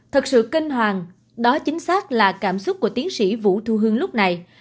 thật sự kinh hoàng đó chính xác là cảm xúc của tiến sĩ vũ thu hương lúc này